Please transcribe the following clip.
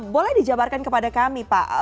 boleh dijabarkan kepada kami pak